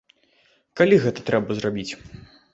Калі гэта трэба зрабіць?